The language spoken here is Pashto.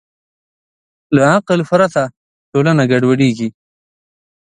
له عقل پرته ټولنه ګډوډېږي.